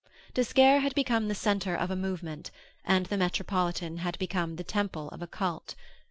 D'Esquerre had become the center of a movement, and the Metropolitan had become the temple of a cult.